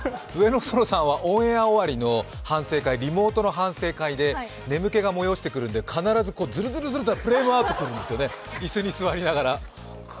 オンエア終わりのリモートの反省会で眠気が催してくるんで、必ずズルズルとフレームアウトするんですよね、椅子に座りながら。